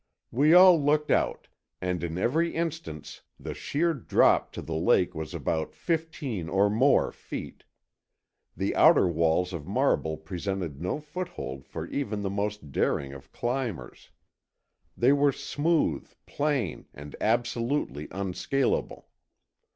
We all looked out, and in every instance, the sheer drop to the lake was about fifteen or more feet. The outer walls of marble presented no foothold for even the most daring of climbers. They were smooth, plain, and absolutely unscalable.